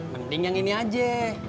mending yang ini aja